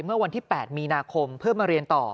เมื่อวันที่๘มีนาคมเพื่อมาเรียนต่อ